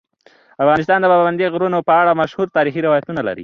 افغانستان د پابندی غرونه په اړه مشهور تاریخی روایتونه لري.